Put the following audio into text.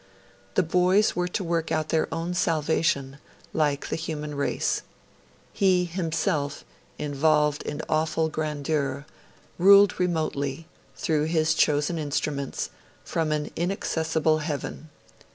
The boys were to work out their own salvation, like the human race. He himself, involved in awful grandeur, ruled remotely, through his chosen instruments, from an inaccessible heaven.